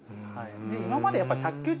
今までやっぱ卓球って